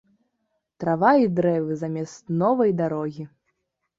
Трава і дрэвы замест новай дарогі.